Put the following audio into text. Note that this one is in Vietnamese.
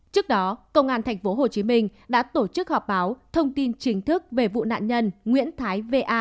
trước đó công an tp hcm đã tổ chức họp báo thông tin chính thức về vụ nạn nhân nguyễn thái va